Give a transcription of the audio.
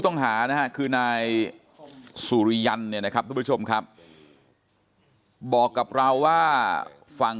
ต้องหาคือนายสุริยันนะครับทุกผู้ชมครับบอกกับเราว่าฟัง